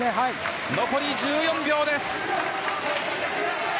残り１４秒です。